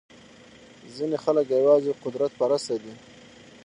ځینې خلک یوازې قدرت پرسته دي.